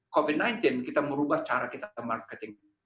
covid sembilan belas kita merubah cara kita ke marketing